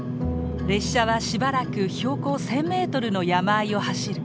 列車はしばらく標高１，０００メートルの山あいを走る。